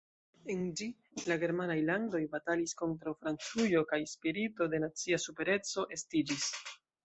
En ĝi, la germanaj landoj batalis kontraŭ Francujo kaj spirito de nacia supereco estiĝis.